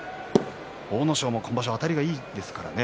阿武咲も今場所、あたりがいいですからね。